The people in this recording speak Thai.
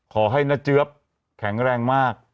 ขอให้น้าเจี๊ยบแข็งแรงมาก